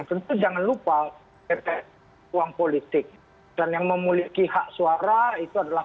tentu jangan lupa pt uang politik dan yang memiliki hak suara itu adalah